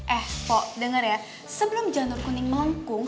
eh pok denger ya sebelum janur kuning melengkung